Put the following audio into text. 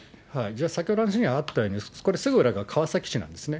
先ほどの話にあったように、これすぐ裏が川崎市なんですね。